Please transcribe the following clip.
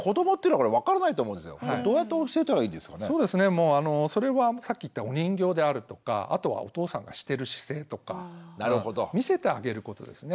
もうあのそれはさっき言ったお人形であるとかあとはお父さんがしてる姿勢とか見せてあげることですね。